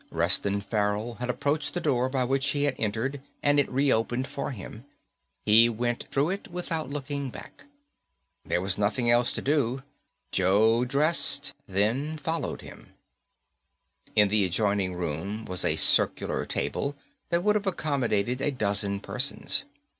Reston Farrell had approached the door by which he had entered and it reopened for him. He went through it without looking back. There was nothing else to do. Joe dressed, then followed him. In the adjoining room was a circular table that would have accommodated a dozen persons.